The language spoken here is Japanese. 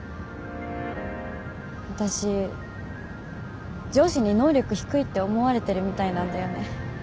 私上司に能力低いって思われてるみたいなんだよね